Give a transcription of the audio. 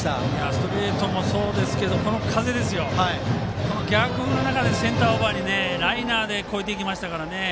ストレートもそうですがこの風、この逆風の中でセンターオーバーにライナーで越えていきましたから。